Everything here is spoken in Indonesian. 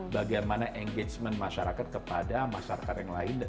bagaimana engagement masyarakat kepada masyarakat yang lain